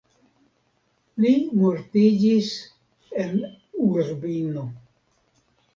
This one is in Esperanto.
Li mortiĝis en Urbino.